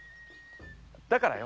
だからよ